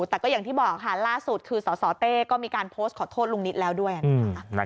แต่ก็อย่างที่บอกค่ะล่าสุดคือสสเต้ก็มีการโพสต์ขอโทษลุงนิดแล้วด้วยนะคะ